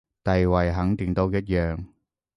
地位肯定都一樣